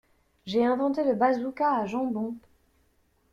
J'ai inventé le bazooka à jambon.